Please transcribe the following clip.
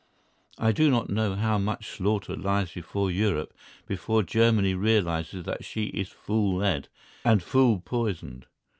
I do not know how much slaughter lies before Europe before Germany realises that she is fool led and fool poisoned.